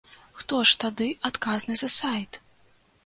Хто ж тады адказны за сайт?